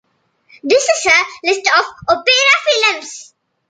This is a list of opera films.